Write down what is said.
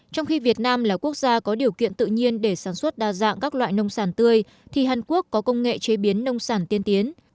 trong khi việt nam là quốc gia có điều kiện tự nhiên để sản xuất đa dạng các loại nông sản tươi thì hàn quốc có công nghệ chế biến nông sản tiên tiến